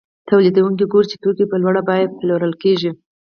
تولیدونکي ګوري چې توکي په لوړه بیه پلورل کېږي